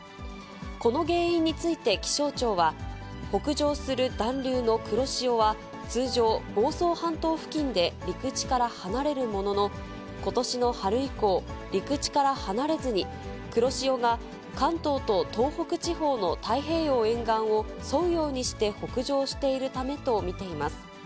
この原因について気象庁は、北上する暖流の黒潮は、通常、房総半島付近で陸地から離れるものの、ことしの春以降、陸地から離れずに、黒潮が関東と東北地方の太平洋沿岸を、沿うようにして北上しているためと見ています。